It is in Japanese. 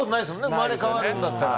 生まれ変わるんだったら。